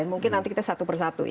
mungkin nanti kita satu persatu